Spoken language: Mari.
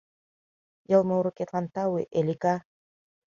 — Йылме урокетлан тау, Элика!